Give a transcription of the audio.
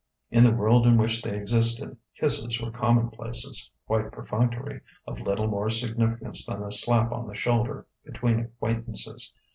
In the world in which they existed, kisses were commonplaces, quite perfunctory, of little more significance than a slap on the shoulder between acquaintances.